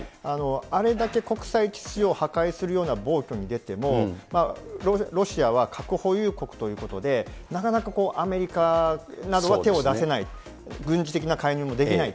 あれだけ国際秩序を破壊するような暴挙に出ても、ロシアは核保有国ということで、なかなかアメリカなどは手を出せない、軍事的な介入もできない。